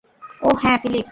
ওহ হ্যাঁ, ফিলিপ।